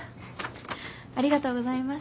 ありがとうございます。